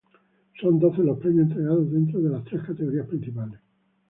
Son doce los premios entregados dentro de las tres categorías principales.